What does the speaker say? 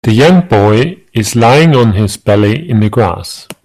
The young boy is laying on his belly in the grass.